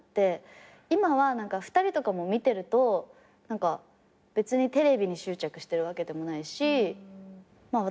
今は２人とか見てると何か別にテレビに執着してるわけでもないしまあ